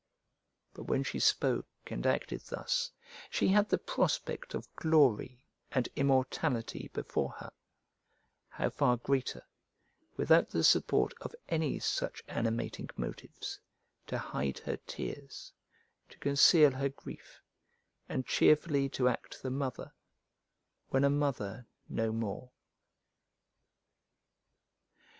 But when she spoke and acted thus, she had the prospect of glory and immortality before her; how far greater, without the support of any such animating motives, to hide her tears, to conceal her grief, and cheerfully to act the mother, when a mother no more!